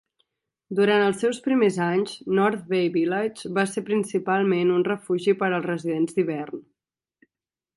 Durant els seus primers anys, North Bay Village va ser principalment un refugi per als residents d'hivern.